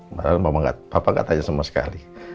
malah papa gak tanya sama sekali